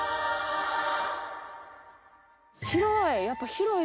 広い！